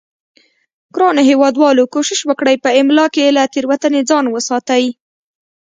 ګرانو هیوادوالو کوشش وکړئ په املا کې له تیروتنې ځان وساتئ